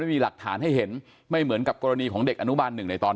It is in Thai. ไม่มีหลักฐานให้เห็นไม่เหมือนกับกรณีของเด็กอนุบาลหนึ่งในตอน